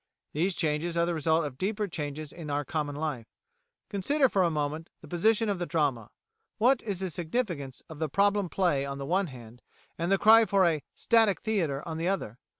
These changes are the result of deeper changes in our common life. Consider for a moment the position of the drama. What is the significance of the problem play on the one hand, and the cry for a "Static Theatre" on the other hand?